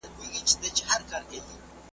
دواړي سترګي یې د اوښکو پیمانې دي ,